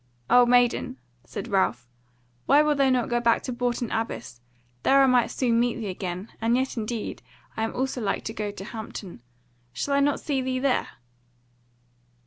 "O, maiden!" said Ralph, "why wilt thou not go back to Bourton Abbas? There I might soon meet thee again, and yet, indeed, I also am like to go to Hampton. Shall I not see thee there?"